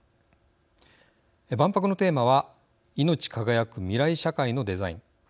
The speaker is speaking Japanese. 万博のテーマはいのち輝く未来社会のデザイン。